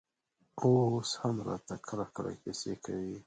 اوس هم راته کله کله کيسې کوي.